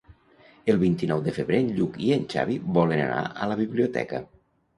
El vint-i-nou de febrer en Lluc i en Xavi volen anar a la biblioteca.